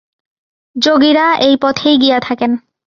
যোগীরা এই পথেই গিয়া থাকেন।